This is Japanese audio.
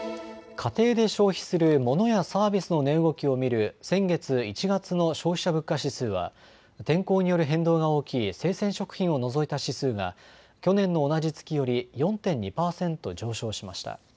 家庭で消費するモノやサービスの値動きを見る、先月・１月の消費者物価指数は天候による変動が大きい生鮮食品を除いた指数が去年の同じ月より４．２％上昇しました。